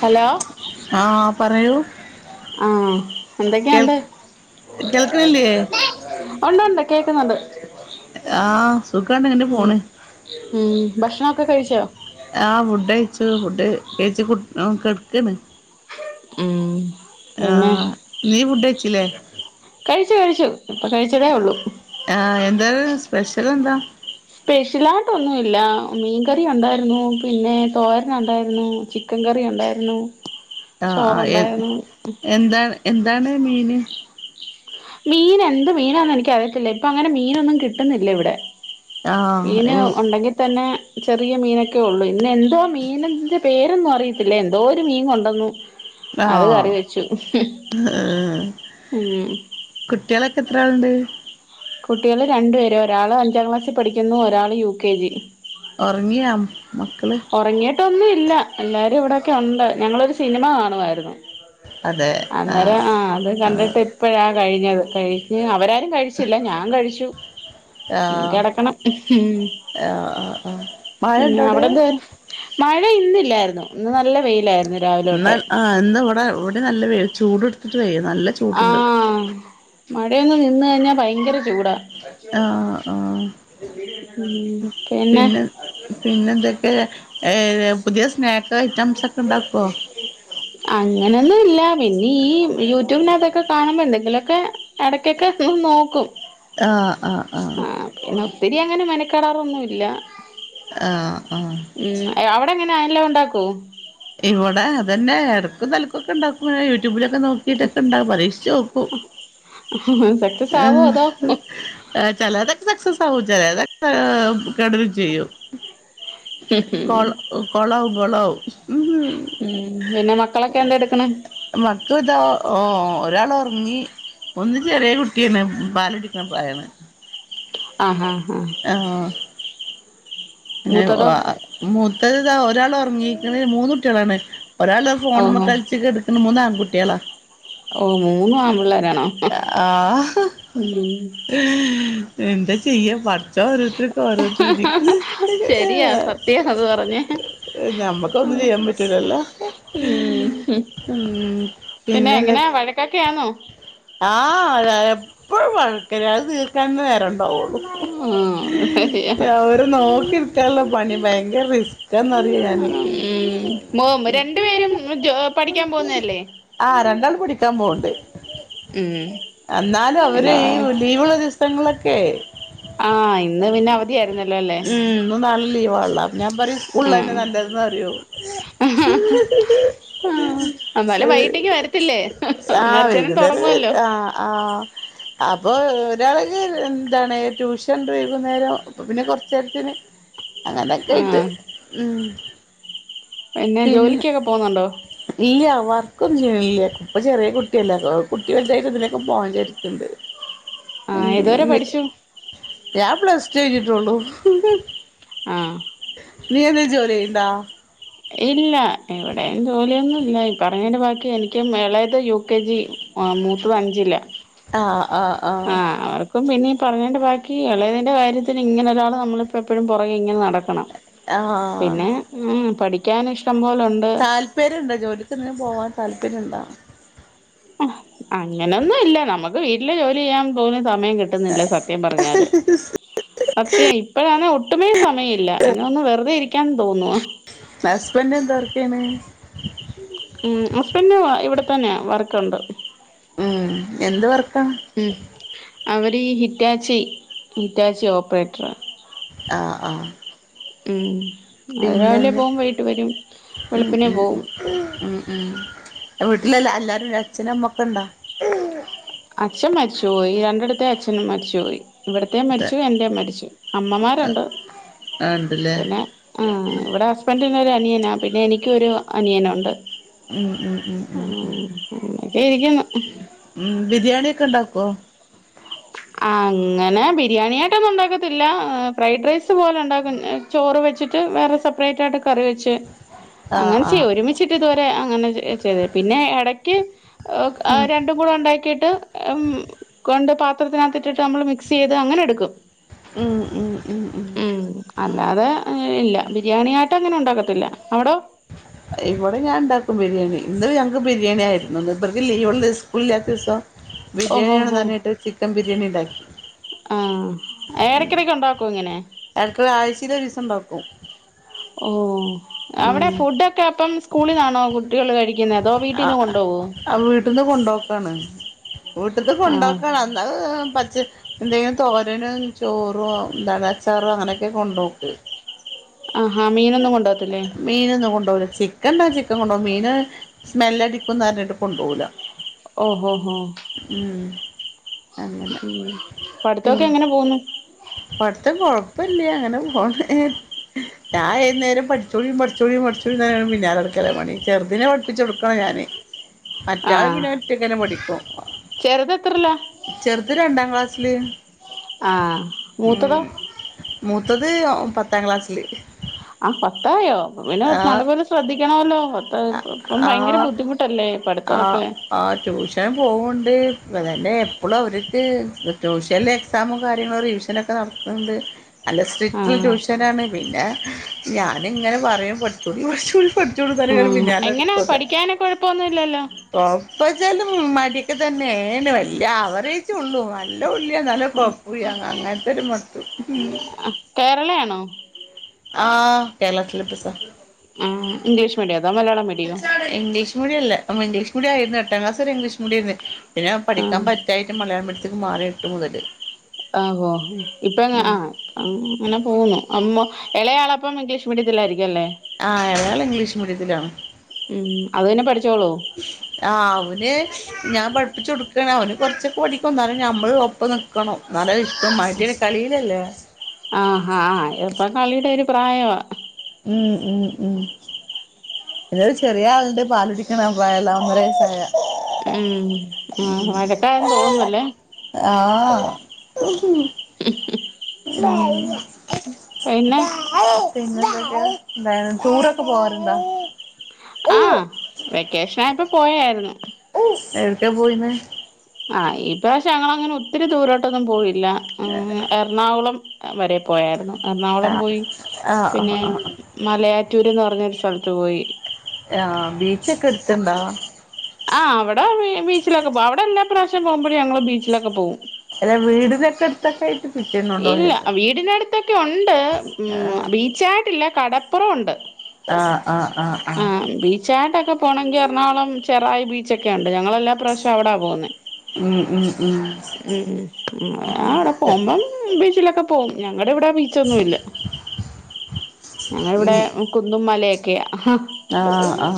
Hello ആ പറയൂ ആഹ് കേൾ എന്തൊക്കെണ്ട് കേൾക്കണില്ലേ ഉണ്ട് ഉണ്ട് കേക്കുന്നുണ്ട് ആഹ് സുഖാണ്ട് ഇങ്ങനെ ഉം പോണ് ഉം ഭക്ഷണൊക്കെ കഴിച്ചോ ആഹ് ഫുഡ് കഴിച്ചു ഫുഡ് എയ്ച്ച കുട്ട് ആഹ് കിടക്കാണ് ഉം പിന്നെ ആഹ് നി ഫുഡ്‌ കഴിച്ചില്ലേ കഴിച്ചു കഴിച്ചു ഇപ്പോ കഴിച്ചതേള്ളു ആഹ് എന്താ സ്പെഷ്യൽ എന്താ സ്പെഷ്യലായിട്ട് ഒന്നുല്ല മീൻകറി ഒണ്ടാര്ന്നു പിന്നെ തോരൻ ഒണ്ടാര്ന്നു chicken curry ഒണ്ടാര്ന്നു ah ah A എന്താ എന്ത് ന്താണ് മീന് മീൻ എന്ത് മീനാന്ന് എനിക്ക് അറിയത്തില്ല ഇപ്പംങ്ങനെ മീനൊന്നും കിട്ടുന്നില്ല ഇവിടെ ആ മീന് എവ് ഒണ്ടെങ്കി തന്നെ ചെറിയ മീനൊക്കെള്ളു ഇന്ന് എന്തോ മീനിന്റെ പേരൊന്നും അറിയത്തില്ലേ എന്തോ ഒരു മീൻ കൊണ്ടുവന്നു. ആ അത് കറി വെച്ചു ഏ, ഉം. കുട്ടികളൊക്കെ എത്രളുണ്ട്? കുട്ടികള് രണ്ടു പേര്. ഒരാള് അഞ്ചാം ക്ലാസ്സി പഠിക്കുന്നു, ഒരാള് യു കെ ജി. ലും ഒർങ്യോ ഒറങ്ങിട്ടൊന്നും ഇല്ല എല്ലാരും ഇവിടെ ഒക്കെണ്ട് ഞങ്ങളൊരു സിനിമ കാണുമായിരുന്നു. അങ്ങനെ ആ അത് കണ്ടിട്ട് ഇപ്പഴ-. കഴിഞ്ഞത് കഴിഞ്ഞ് അവരാരും കഴിച്ചില്ല ഞാ കഴിച്ചു. ഇനി ആഹ് കിടക്കണം ഉം ആഹ് ആ ആ മഴ പിന്നെ ണ്ടൊ വ്ടെ? അവിടെന്ത് മഴ ഇന്നില്ലാരുന്നു ഇന്ന് നല്ല വെയിലാര്. ഇന്ന് ആ ഇന്ന് ഇവിടെ അവിടെ നല്ല വേയിൽ ചൂട് ട്ത്തിട്ട് വേയ്യ ആഹ് മഴയൊന്ന് നിന്ന് കഴിഞ്ഞാൽ ഭയങ്കര ചൂടാ ആ ആ ഉം പിന്നെ പിന്നെ എന്തൊക്കെ? ഏ പുതിയ സ്നാക്ക് ഐറ്റംസ് ഒക്കെ ഉണ്ടാക്കുവോ അങ്ങനൊന്നുല്ല പിന്നെ ഈ യു യുട്ടൂബ്ന്നതൊക്കെ കാണുമ്പോ ന്തെങ്കിലൊക്കെ ഇടക്കൊക്കെ തും നോക്കും. ആഹ് ആഹ് ആഹ് പൊണ് ഒത്തിരി അങ്ങനെ മെനക്കടാറൊന്നുല്ല ആഹാ ആഹാ.. ! അഎല്ല ഉണ്ടാക്കോ ഇവടെ അതന്നെ എടക്കും തലക്കൊക്കെ ഉണ്ടാക്കുവായ് യൂട്യൂബിലൊക്കെ നോക്കിട്ടൊക്കെ ണ്ടാ പരീക്ഷിച്ച് നോക്കു സക്സസാവോ അതോ സെക്സസാവും ചെലത് കെടരും ചെയ്യും കൊൾ കൊളാവും കൊളാവും ഉം പിന്നെ മക്കളൊക്കെ എന്താ എടുക്കണെ ഒരാളൊർങ്ങി ഒന്ന് ചെറിയ കു ട്ട്യാണ് [unintelligible] ആഹഹ ആഹ് പിന്നെ മൂത്തതോ മൂത്തതാ ഒരാളൊർ ർങ്ങീക്ക്ണ് മൂന്ന് കുട്ട്യാളാണ് ഒരാള്ത ഫോൺമേ ഓഹോ കളിച്ച് കെട്ക്ക്ണ് മൂന്നാങ്ങു കുട്ട്യേളാ ഓ മൂന്ന് ആമ്പുള്ളാരാണോ ആഹ് എന്താ ചെയ്യ പ ട്ട്യേളോരോരുത്തർക്ക് ഒരോ [unintelligible] ശരിയാ സത്യ അത് പറഞ്ഞെ ഞമ്മക്കൊന്നും ഉം ചെയ്യാൻ പറ്റൂലല്ലോ ഉം പിന്നെ പിന്നെന്താ എങ്ങനെ വഴെക്കെക്കയ അഹ് ആഹ് എപ്പഴും വഴക്കെ ന്നെഅത് തീർക്കാൻ തന്നെ നേരം ഉണ്ടാവൊള്ളൂ ആഹ് ശരിയാ അവര് നോക്കി നോക്കാള്ള പണി ഭയങ്കരറിസ് ഉം മോ രണ്ടു പേരും ജോ പഠിക്കാൻ പോന്നല്ലേ ത്തം പോവ്ണ്ട് ഉം എന്നാലും അവര് പിന്നെ ഈ ലീവ്ള്ള ദിവസ് തങ്ങളലൊക്ക ആഹ് ഇന്ന് പിന്നെ അവധിയായിരുന്നല്ലോലെ ലീ വാള്ള ഞാൻ പറിം സ്ക്കൂള്ളെന്നെ നല്ലത് ന്നറയും ആഹ് എന്നാലും വൈകിട്ടേക്ക് [unintelligible] വരത്തില്ലേ ആഹ് അന്നേരത്തേനും വൈകുന്നേരം തൊടങ്ങുവല്ലോ ആഹ് ആഹ അപ്പൊ ഒരാൾക്ക് എന്താണ് ട്യൂഷൻണ്ട് വൈകുന്നേരം പിന്നെ കൊറച്ച രേത്തിന് അങ്ങനൊക്കൊയിട്ട് ആഹ് ഉ പിന്നെ ജോലിക്കൊക്കെ പോകുന്നുണ്ടോ ഇപ്പഒന്നും ചെയ്യണ്‌ല്യഇപ്പ ചെറിയ കുട്ടിയല്ലെകുട്ടി വലുതായിട്ട് മോൻ്റെടുത്ത്ണ്ട് ആ ഏതുവരെ പഠിച്ചു പ്ലസ്റ്റു എഴുതിട്ടോള്ളു ആഹ് നീ എന്തേ ജോലി ചെയ്യുണ്ടോ ഇല്ല എവിടെയും ജോലിയൊന്നും ഇല്ല പറഞ്ഞെന്റെ ബാക്കി എനിക്കും എളേത് യു കെ ജി മൂത്തത് അഞ്ചിലാ ആ ആ ആ പ്പം പിന്നെ ഈ പറഞ്ഞേന്റെ ബാക്കി എളേതിന്റെ കാര്യത്തിന് ഇങ്ങനെ ഒരാൾ നമ്മളിപ്പോ എപ്പോഴും പൊറകെ ഇങ്ങനെ നടക്കണം പിന്നെ മ് പഠി ക്കാനിഷ് താല്പര്യം ഉണ്ട് ജോലിക്കെന്തേം പോവാൻ താൽ പിന്നെന്താ വീട്ടിലെ ജോലി ചെയ്യാൻ തോന്നിയ സ മയം കിട്ടുന്നില്ല സത്യം പറഞ്ഞാല് സത്യാ ഇപ്പഴാണെ ഒ ട്ടുമേ സമയില്ല ഇന്നൊന്ന് വെറുതെ ഇരിക്കാൻ തോന്നുവ ലെമേ [unintelligible] മ് ഹസ്ബെന്റ് ഇവിടെ തന്നെയ വർക്കൊണ്ട് ഉം എന്ത് വർക്കാ അവർ ഹിറ്റാച്ചി ഹിറ്റാച്ചി ഓപ്പറേറ്ററാ ആ ആ ഉം അത് രാവിലെ പോവും വൈകീട്ട് വരും ഉം വെളുപ്പിനെ ഉം പോവും വീട്ടിലല്ല അല്ലാരും അച്ഛനും അമ്മൊക്കെണ്ടാക്കും അച്ഛൻ മരിച്ചുപോയി രണ്ടിടത്തെ അച്ഛനും മരിച്ചുപോയി ഇവിടത്തെ മരിച്ചു എന്റേം മരിച്ചു ആഹ് അമ്മമാരുണ്ട് ഇണ്ട്ല്ലേ പിന്നെ ഇവിടെ ഹസ്ബൻഡിന് അനിയനാ പിന്നെ എനിക്കൊരു അനിയനുണ്ട് ഉം ഉം ഉം ഉം ഉ ദേ ഇരിക്കുന്നു ഉം ബിരിയാണി ഒക്കെ ഇണ്ടാക്കോ ആ അങ്ങനെ ബിരിയാണിയിട്ടൊന്നും ഉണ്ടാക്കത്തില്ല ഫ്രൈഡ് റൈസ് പോലെ ഉണ്ടാക്കും ചോറ് വെച്ചിട്ട് വേറെ സെപ്പറേറ്റ് ആയിട്ട് കറി വെച്ച് ആഹ് അങ്ങനെ ചെയ്യോ ആഹ് ഒരുമിച്ചിട്ട് തോ അങ്ങനെ ചെ ചെയ്തെ പിന്നെ എടയ്ക്ക് ഉം രണ്ടും കൂടെ ഉണ്ടാക്കിട്ട് മ് കൊണ്ട് പ പാത്രത്തിനകത്തിട്ട്ട്ട് നമ്മള് മിക്സ് ചെയ്ത് അങ്ങനെ എടുക്കും ഉം ഉം ഉം ഉ അത് അങ്ങനെയില്ല ബിരിയാണിയായിട്ട് അങ്ങനെ ഒണ്ടാക്കത്തില്ല അവിടോ ഇവിടെ ഞാൻ ണ്ടാക്കും ബിരിയാണി ഇന്ന് ഞങ്ങക്ക് ബിരിയാണി ആയിരുന്നുന്ന് മൂപ്പർക്ക് ലീവള്ള സ്കൂളില്ലാത്ത ദിവസം ഓഹോ ബിരിയാണിയാണ് നനാറിഞ്ട്ട് ചിക്കൻ ബിരി ബിരിയാണി ഉണ്ടാക്കി ആ ഏടക്കെടക്ക് ഒണ്ടാക്കോ ഇങ്ങനെ ഇടക്ക് ആഴ്ചയിൽ ഒരു ദിവസം ഉണ്ടാക്കും ഓ അവിടെ ഉം ഫുഡ് ഒക്കെ അപ്പം സ്കൂളിലാണോ കുട്ടികൾ കഴിക്കു ആ ആ വീട്ട്ന്ന് കൊണ്ടപോക്കാണ് വീട്ടന്ന് ആഹ് കൊണ്ടുപോക്കാണ് ന്നാ എന്തെങ്കും തോരന് ചോറു ന്താണ് അ ച്ചാറ് അങ്ങനെയൊക്കെ കൊണ്ടുപോക്ക്ണ്ട് ആഹാ മീനൊന്നും കൊണ്ടാകത്തില്ലേ [unintelligible] ക്കൻ കൊണ്ടോകും മീന് സ്മെല്ല് അടിക്കുന്ന് പറഞ്ഞിട്ട് കൊണ്ടുപോവൂല്ലാ. ഓഹോ ഉം അങ്ങനെ പഠിത്തൊക്കെ പിന്നെ എങ്ങനെ പോന്നു? പഠിത്തം കൊഴപ്പല്ല്യ അങ്ങനെ പോണ് ഞാ ഏത് നേരോം പഠിച്ചോളീ പഠിച്ചോളീ പഠിച്ചോന്നറഞ്ഞു പിന്നാലെ നടക്കല്ലേ പണി ചെറുതിനെ പഠിപ്പിച്ചു കൊടുക്കണം ഞാന്. മറ്റാള് ആഹ് പിന്നെ ഒറ്റക്കനെ പഠിക്കും ചെറുത് എത്രയിലാ ചെറുത് രണ്ടാം ക്ലാസില്. ആഹ് മൂത്തതോ? മൂത്തത് പത്താം ക്ലാസ്സില്. ആ പത്തായോ അപ്പപിന്നെ ആ നല്ലപോലെ ശ്രദ്ധി ക്കണോല്ലോ? പത്ത് പ്പ ഇപ്പം ഭയങ്കര ബുദ്ധിമുട്ടല്ലേ? ആ പഠിത്തമൊക്കെ ആ ട്യൂഷന് പോവ്ണ്ട് ഇപ്പ തന്നെ എപ്പളും അവരിക്ക് ട്യൂഷനില്എക്സാമും കാര്യങ്ങളും റിവിഷനൊക്കെ നടക്കുണ്ട്. നല്ല സ്ട്രിക്റ്റ് ആഹ് ട്യൂഷനാണ് പിന്നെ ഞാനിങ്ങനെ പറയും പഠിച്ചോളീ പഠിച്ചോളീ ആ എങ്ങനാ പഠിക്കാന് കൊഴപ്പൊന്നും ഇല്ലല്ലോ [unintelligible] മടിയെക്കെ തന്നേണ് വെല്ല്യ ആവറേജേ ഒള്ളു അ [unintelligible] എന്നാല് ഒരു കൊഴപ്പോല്ല്യ അങ്ങനത്തെ ഒരു [unintelligible] കേരളയാണോ ആ കേരള സിലബസ്സാ ആ ഇംഗ്ലീഷ് മീഡിയോ അതോ മലയാളം മീഡിയോ ഇംഗ്ലീഷ് മീഡിയല്ലേ? മിടി ഇംഗ്ലീഷ് മീഡിയം ആയിരുന്നു എട്ടാം ക്ലാസ്സുവരെ ഇംഗ്ലീഷ് മീഡിയം ആയിരുന്നു പിന്നെ ആ പഠിക്കാൻ പറ്റായിട്ട് മലയാളം മീഡി ത്തേക്ക് മാറി എട്ട് മുതല്. ആവോ ഇപ്പ ആ ആഹ് അങ്ങനെ പോവുന്നു അമ്മു എളയാളപ്പം ഇംഗ്ലീഷ് മീഡത്തിലായിരി ആ എളയാള് ഇംഗ്ലീഷ് മീഡിയത്തിലാണ്. ഉം അത് പന്നെ പഠിച്ചോളുവോ? ആഹ് അവന് ഞാൻ പഠിപ്പിച്ച്ച് കൊടുക്കാണ് അവന് കൊറച്ചൊക്കെ പഠിക്കും എന്നാലും ഞമ്മള് ഒപ്പം നിക്കണം എന്നാലെ ഇഷ്ട്ടം കളിയിലല്ലേ? ആഹ് ആഹ് ഇപ്പൊ കളിയുടെ ഒരു പ്രായമാ. ഉം ഉം ഉം പിന്നൊരു ചെറിയ ആള്ണ്ട് പാല് കുടിക്കണ പ്രായള്ള ഒന്നര വയസ്സായ ഉം ആഹ് വഴക്കായെന്ന് തോന്നുന്നല്ലേ? ആഹ് ഉം പിന്നെ ഓ പിന്നെന്തൊക്കയാ എന്തായെ ടൂറൊക്കെ പോവാറ്ണ്ടോ ആഹ് വെക്കേഷ്നായപ്പം പോയേരുന്നു ട്ടാ പോയിര്ന്നേ ആഹ് ഇപ്പ പക്ഷേ ഞങ്ങളങ്ങനെ ഒത്തിരി ദൂരോട്ടൊന്നും പോയി ല്ല ഉം എറണാകുളം ഏ വരെ പോയായിരുന്നു എറണാകുളം ആഹ് പോയി ആഹ് പിന്നെ ആഹ് ആഹ് മലയാ റ്റൂര്ന്ന് പറ്ഞ്ഞൊരു സ്ഥലത്ത് പോയി ആ ബീച്ചൊക്കെ എട്ത്ത്ണ്ടോ ച്ചിലൊക്കെ പോവാ അവിടെ എല്ലാ പ്രാവശ്യ പോവ്മ്പഴും ഞങ്ങള് ബീച്ചിലൊക്കെ പോവും അല്ല വീടിനൊക്കെ അടുത്തൊക്കെ ആയിട്ട് പിച്ചേന്നുണ്ടോന്ന് ഇല്ല ആ ചോദിച്ചതാ വീടിനടുത്തൊക്കെ ഒണ്ട്. ഉം ആഹ് ബീച്ചായിട്ടില്ല കടപ്പുറൊണ്ട് ആഹ് ആഹ് ബീച്ചായിട്ടൊക്കെ പോണങ്കി എറണാകുളം ചെറായി ബീച്ചൊക്കെയു ണ്ട് ഞങ്ങളെല്ലാ പ്രാവശ്യം അവിടാ പോവുന്നേ ഉം ഉം ഉം ഉം ഉം ആടെ പോവുമ്പം ബീച്ചിലൊക്ക പോവും ഞങ്ങടെ ഇവടെ ബീ ച്ചൊന്നുല്ല ഞങ്ങവിടെ ഉം കുന്നും മലയൊക്കെയാ ആ ആ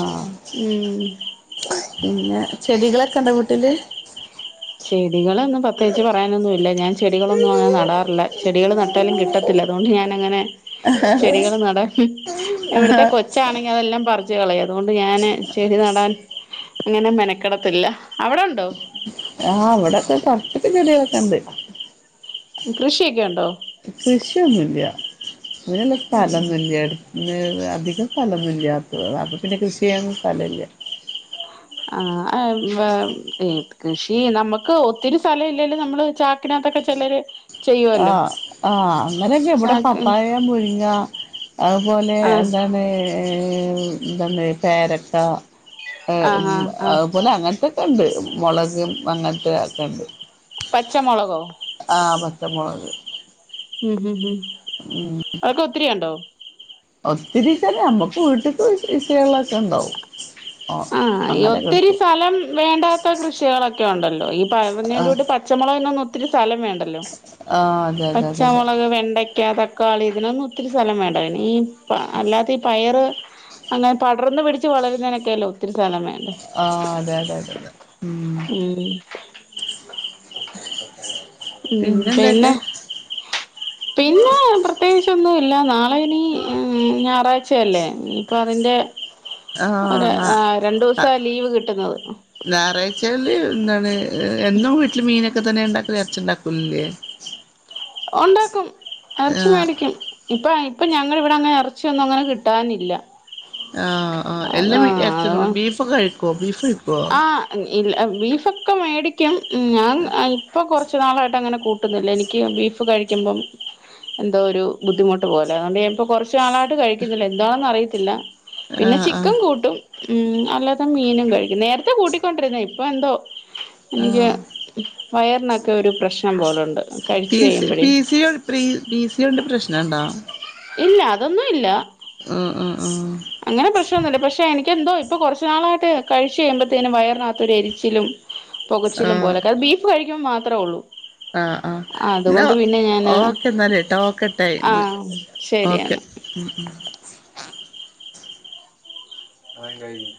ഉം പിന്നെ ചെടികളൊക്കെ ഉണ്ടോ വീട്ടില് ചെടികളൊന്നും പ്രത്യേകിച്ച് പറയാനൊന്നുമില്ല. ഞാൻ ചെടികളൊന്നും അങ്ങനെ നടാറില്ല. ചെടികൾ നട്ടാലും കിട്ടത്തില്ല. അതുകൊണ്ട് ഞാനങ്ങനെ ചെടികൾ നട ഇവിടത്തെ കൊച്ചാണെങ്കി അതെല്ലാം പറ ച്ച് കളയ അതുകൊണ്ട് ഞാന് ചെടി നടാൻ ഇങ്ങനെ മെനക്കടത്തില്ല അവിടെ ഉണ്ടോ ആ അവിടെക്കെ കൊറച്ചൊക്കെ ചെടികളൊക്കെണ്ട് കൃഷിയൊക്കെ ഉണ്ടോ കൃഷിയൊന്നുവില്ല അതിനെന്നും സ്ഥലം ഒന്നും ഇല്ല അധികം സ്ഥലൊന്നുമില്ലാത്ത അപ്പ പിന്നെ കൃഷി ചെയ്യുന്ന സ്ഥല ഇല്ല ആ കൃഷി നമ്മുക്ക് ഒത്തിരി സ്ഥലം ഇല്ലെലും നമ്മള് ചാക്കിനകത്തൊക്കെ ചിലര് ആ ചെയ്യുവല്ലോ ആ അങ്ങനെയൊക്കെ ഇവിടെ ചാക്ക് പപ്പായ മുരുങ്ങ അതുപോലെ ആ എന്താണ് എന്താണ് പേരക്ക ആ ആ ആ അതുപോലെ അങ്ങനത്തൊക്കെ ഉണ്ട് മുളകും അങ്ങനത്തെ ഒക്കെണ്ട് പച്ചമുളകോ ആ പച്ച മുളക് ഉം ഉം ഉം ഉം ഒത്തിരി ഉണ്ടോ ഒത്തിരിക്കന നമ്മക്ക് വീട്ടക്ക് യൂ ശയുള്ളൊക്കെ ഇണ്ടാവും ആ ഈ ഒത്തിരി സ്ഥലം വേണ്ടാത്ത കൃഷികളൊക്കെ ഒണ്ടല്ലോ ഈ ആ പറഞ്ഞന്റെ കൂട്ട് പച്ചമുളകിനൊന്നും ഒത്തിരി സ്ഥലം വേണ്ടല്ലോ ആ അതെ അതെ അതെ അതെ പച്ചാമുളക് വെണ്ട ചക്ക തക്കാളി ഇതിനൊന്നും ഒത്തിരി സ്ഥലം വേണ്ട പിന് ഈ അല്ലാത്ത ഈ പയറ് അങ്ങനെ പടർന്ന് പിടിച്ച് വളരുന്നതിനൊക്കെയല്ലോ ഒത്തിരി സ്ഥലം വേ ആ അതെ അതെ അതെതെ ഉ ഉം ഉം പിന്നെ പിന്നെന്തൊക്കെ പിന്നെ പ്രത്യേകിച്ച് ഒന്നും ഇല്ല നാ ള ഇനി ഞായറാഴ്ചയല്ലേ ഇപ്പൊ അതിന്റെ ആ ഒ ന്നാ രണ്ടു ദിവസ ലീവ് കിട്ടുന്നത് ഞായറാഴ്ചകളില് എന്താണ് എന്നും വീട്ടില് മീനൊക്കെ തന്നെ ഉണ്ടാക്കല് ഇറച്ചുണ്ടാക്കലല്ലേ ഉണ്ടാക്കും ഇറച്ചി മേടിക്കും ഇപ്പ ഇപ്പൊ ഞങ്ങ ഇവിടെ അങ്ങനെ ഇറച്ചിയൊന്നും അങ്ങനെ കിട്ടാനില്ല ആ ആ അത എല്ലാം അത ഇറച്ചി ബീഫൊക്കെ കഴി കോ ബീഫ് കഴിക്കുവോ ആ ഇ ബീഫൊക്കെ മേടിക്കും ഞാൻ ഇപ്പൊ കൊറച്ച് നാളായിട്ട് അങ്ങനെ കൂട്ട കിട്ടുന്നില്ല എനിക്ക് ബീഫ് കഴിക്കുമ്പം എന്തോ ഒരു ബുദ്ധിമുട്ട് പോലെ അതുകൊണ്ട് പ്പ കുറച്ച് നാളായിട്ട് കഴിക്കുന്നില്ല എന്താണെന്ന് അറിയത്തില്ല ആ പിന്നെ ആ ചിക്കൻ കൂട്ടും ഉം അല്ലാതെ മീനും കഴി- ഇന്നെ ടുത്ത് കൂട്ടിക്കൊണ്ടിരുന്നെ ഇപ്പൊ എന്തോ എനിക്ക് വയറിനെക്കൊരു പിസി പിസി ഒ പ്രി പിസി ഓന്റ പ്രശ്ന നാണ്ടാ ഇല്ല അതൊന്നുവില്ല ആ അങ്ങനെ പ്രശ്നൊന്നൂല്ല പക്ഷെ എനിക്ക് നിക്ക് എന്തോ ഇപ്പൊ കുറച്ചു നാളായിട്ട് കഴിച്ചു കഴിയമ്പഴത്തേനും വയറിനകത്തൊരു എരിച്ചിലും ആ പൊകച്ചിലും ആ പോക്ക് അത് ബീഫ് കഴിക് കുമ്പം മാത്രെ ഒള്ളൂ ആഹ് ആഹ് എന്നാ ഞാന് ഓക്കെന്നാല് ടോക്ക്ട്ടൈം ആഹ് ഓക്കെ ശരിയെന്നാ ഉം ഉം വയ് [unintelligible]